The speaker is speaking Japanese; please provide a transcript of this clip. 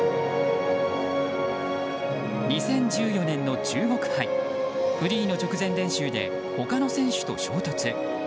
２０１４年の中国杯フリーの直前練習で他の選手と衝突。